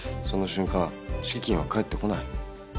その瞬間敷金は返ってこない。